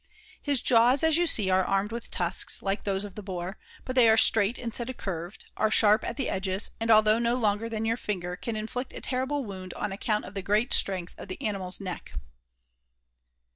His jaws, as you see, are armed with tusks, like those of the Boar, but they are straight instead of curved, are sharp at the edges, and although no longer than your finger can inflict a terrible wound on account of the great strength of the animal's neck.